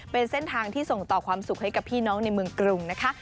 เป็นเส้นทางที่ส่งต่อความสุขให้กับพี่น้องในเมืองกรุงนะคะ